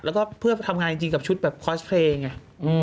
แล้วก็เพื่อทำงานจริงกับชุดแบบคอสเพลย์ไง